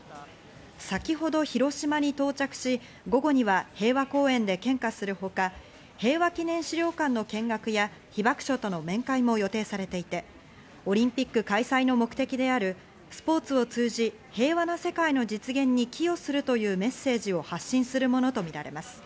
先ほど広島に到着し、午後には平和公園で献花するほか、平和記念資料館の見学や被爆者との面会も予定されていて、オリンピック開催の目的であるスポーツを通じ、平和な世界の実現に寄与するというメッセージを発信するものとみられます。